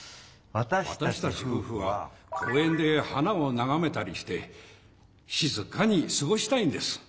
わたしたちふうふは公園で花をながめたりして静かに過ごしたいんです。